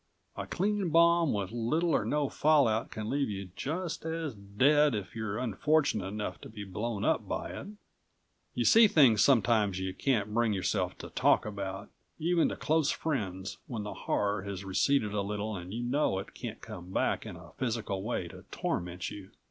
A clean bomb with little or no fallout can leave you just as dead if you're unfortunate enough to be blown up by it. You see things sometimes you can't bring yourself to talk about, even to close friends when the horror has receded a little and you know it can't come back in a physical way to torment you.